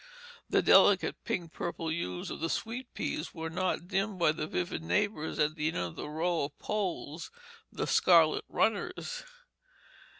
The delicate, pinky purple hues of the sweet peas were not dimmed by their vivid neighbors at the end of the row of poles the scarlet runners.